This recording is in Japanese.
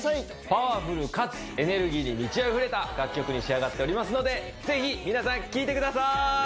パワフルかつエネルギーに満ちあふれた楽曲に仕上がっておりますのでぜひ皆さん聴いてください